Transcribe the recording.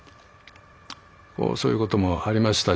そういうこともありましたし。